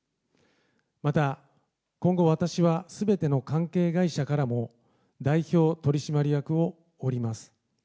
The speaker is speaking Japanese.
また今後、私はすべての関係会社からも代表取締役を降ります。